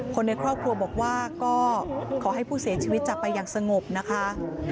คนในครอบครัวบอกว่าก็ขอให้ผู้เสียชีวิตจากไปอย่างสงบนะคะ